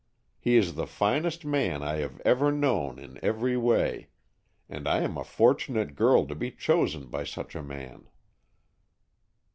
He is the finest man I have ever known in every way, and I am a fortunate girl to be chosen by such a man."